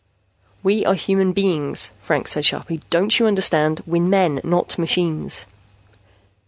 "We are human beings," Franks said sharply. "Don't you understand? We're men, not machines."